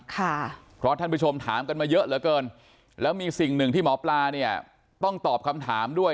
ค่ะเพราะท่านผู้ชมถามกันมาเยอะเหลือเกินแล้วมีสิ่งหนึ่งที่หมอปลาเนี่ยต้องตอบคำถามด้วย